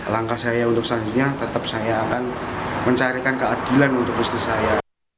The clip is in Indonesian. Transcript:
langkah saya untuk selanjutnya tetap saya akan mencarikan keadilan untuk istri saya